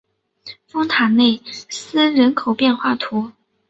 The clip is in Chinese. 丰塔内斯人口变化图示